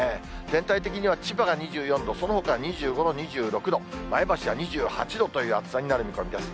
全体的には千葉が２４度、そのほかは２５度、２６度、前橋は２８度という暑さになる見込みです。